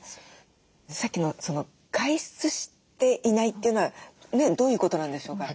さっきの外出していないっていうのはどういうことなんでしょうか？